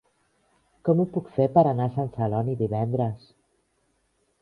Com ho puc fer per anar a Sant Celoni divendres?